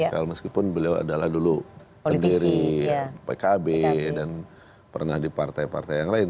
kalau meskipun beliau adalah dulu pendiri pkb dan pernah di partai partai yang lain